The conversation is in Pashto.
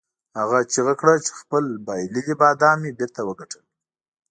هغه چیغه کړه چې خپل بایللي بادام مې بیرته وګټل.